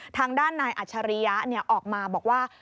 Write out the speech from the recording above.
ทางด้านนายอัจฉริยะออกมาบอกว่า